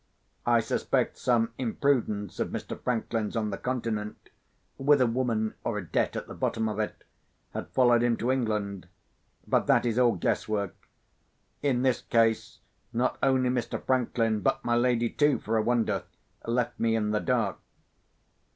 I suspect some imprudence of Mr. Franklin's on the Continent—with a woman or a debt at the bottom of it—had followed him to England. But that is all guesswork. In this case, not only Mr. Franklin, but my lady too, for a wonder, left me in the dark.